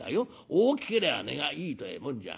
大きけりゃ値がいいてえもんじゃないんだ。